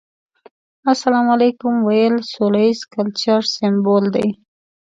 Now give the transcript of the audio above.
السلام عليکم ويل سوله ييز کلچر سمبول دی.